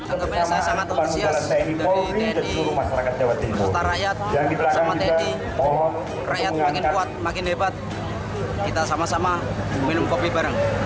anggapnya saya sangat antusias dari tni serta rakyat sama tni rakyat makin kuat makin hebat kita sama sama minum kopi bareng